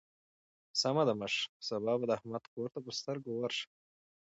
سمه ده مشره؛ سبا به د احمد کور ته پر سترګو ورشم.